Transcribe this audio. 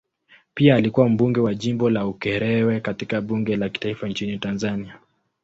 Pia alikuwa mbunge wa jimbo la Ukerewe katika bunge la taifa nchini Tanzania.